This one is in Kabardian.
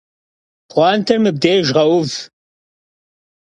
Pxhuanter mıbdêjj ğeuv.